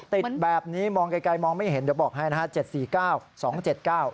ติดแบบนี้มองไกลมองไม่เห็นเดี๋ยวบอกให้นะครับ